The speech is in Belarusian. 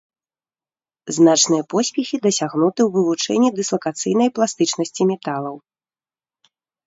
Значныя поспехі дасягнуты ў вывучэнні дыслакацыйнай пластычнасці металаў.